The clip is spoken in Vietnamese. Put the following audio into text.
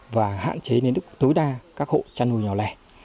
và hạn chế đến tối đa các hộ chăn nuôi nhỏ lẻ